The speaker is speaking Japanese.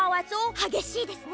はげしいですね！